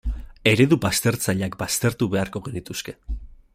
Eredu baztertzaileak baztertu beharko genituzke.